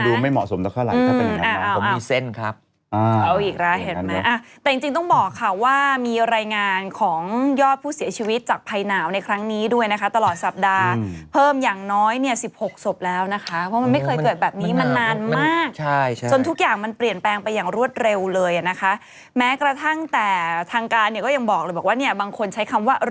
อ๋อนี่เขาบอกว่าคุณหนุ่มภูมิกลับถ่ายรูปกับเสกหลังโดนจับค่ะ